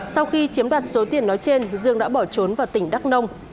sau khi chiếm đoạt số tiền nói trên dương đã bỏ trốn vào tỉnh đắk nông